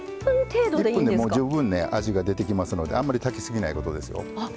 １分でもう十分ね味が出てきますのであんまり炊きすぎないことですよ。